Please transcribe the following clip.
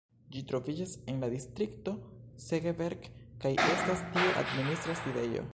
Ĝi troviĝas en la distrikto Segeberg, kaj estas ties administra sidejo.